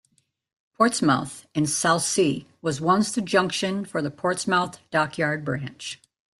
Portsmouth and Southsea was once the junction for the Portsmouth Dockyard branch.